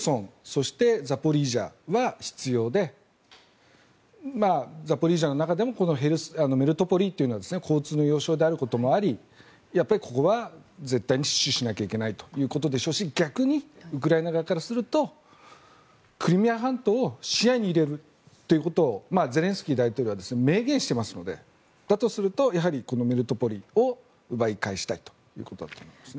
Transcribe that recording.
そしてザポリージャは必要でザポリージャの中でもこのメリトポリというのは交通の要衝であることもありやっぱりここは絶対に死守しないといけないということでしょうし逆にウクライナ側からするとクリミア半島を視野に入れるということをゼレンスキー大統領は明言してますのでだとするとこのメリトポリを奪い返したいということだと思います。